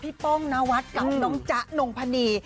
พี่ป้องนวัดกับนมจะนมพณี